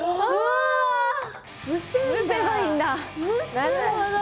なるほど。